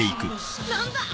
何だ！？